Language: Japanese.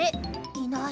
いない。